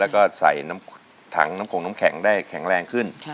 ใช่แข็งแรง